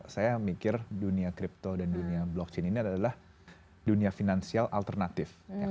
saya mikir dunia crypto dan dunia blockchain ini adalah dunia finansial alternatif